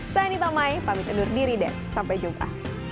saya anita mai pamit undur diri dan sampai jumpa